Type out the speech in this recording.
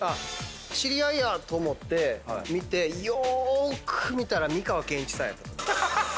知り合いやと思って見てよーく見たら美川憲一さんやったとき。